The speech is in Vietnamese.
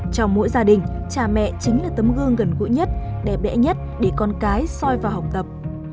trong mỗi gia đình cha mẹ chính là tấm gương gần gũi nhất đẹp đẽ nhất để con cái soi vào học tập